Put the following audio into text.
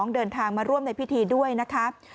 เดินทางมาร่วมในพิธีด้วยนะครับ